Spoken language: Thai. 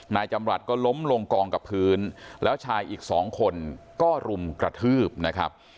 นายจำรัฐก็ล้มลงกองกับพื้นแล้วชายอีกสองคนก็รุมกระทืบนะครับ